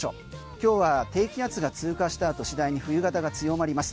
今日は低気圧が通過した後次第に冬型が強まります。